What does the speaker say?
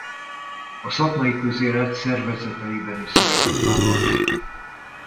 A szakmai közélet szervezeteiben is szerepet vállalt.